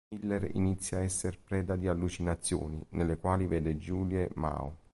Miller inizia a esser preda di allucinazioni, nelle quali vede Julie Mao.